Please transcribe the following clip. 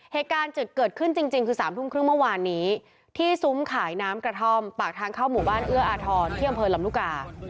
เหตุการณ์จุดเกิดขึ้นจริงคือ๓ทุ่มครึ่งเมื่อวานนี้ที่ซุ้มขายน้ำกระท่อมปากทางเข้าหมู่บ้านเอื้ออาทรที่อำเภอลำลูกกา